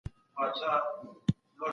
هګۍ د بدن پروټین کچه ساتي.